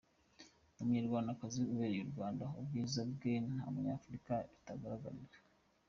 Ni umunyarwandakazi ubereye u Rwanda, ubwiza bwe nta munyafurika butagaragarira.